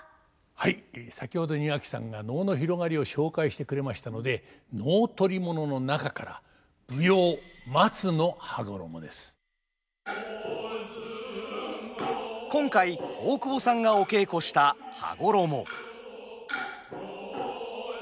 はい先ほど庭木さんが能の広がりを紹介してくれましたので能取り物の中から今回大久保さんがお稽古した「羽衣」。